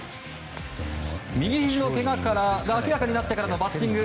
右ひじのけがが明らかになってからのバッティング。